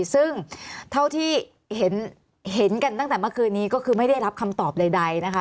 ซึ่งเท่าที่เห็นกันตั้งแต่เมื่อคืนนี้ก็คือไม่ได้รับคำตอบใดนะคะ